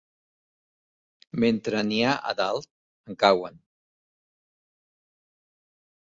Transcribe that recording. Mentre n'hi ha a dalt, en cauen.